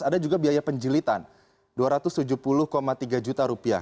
ada juga biaya penjelitan dua ratus tujuh puluh tiga juta rupiah